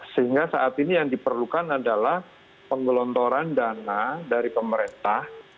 sehingga saat ini yang diperlukan adalah penggelontoran dana dari pemerintah